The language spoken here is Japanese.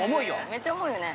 ◆めっちゃ重いよね。